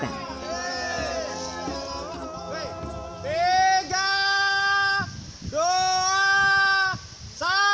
kampung bugis menunjukkan bahwa kapal berlayar